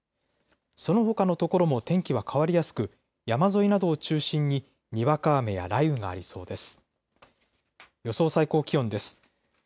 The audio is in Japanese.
そのほかの所も天気は変わりやすく山沿いなどを中心ににわか雨や雷雨がありそうです。